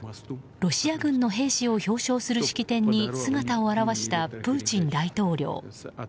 ロシア軍の兵士を表彰する式典に姿を現したプーチン大統領。